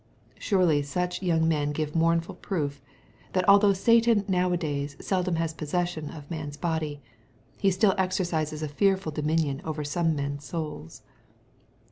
Surely such young men give mournful proof, that although Satan now a days seldom has pos session of man's body, he stiU exercises a fearful dominion over some men's souls.